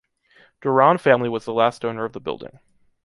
Duran family was the last owner of the building.